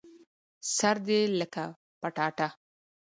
سر دي لکه پټاټه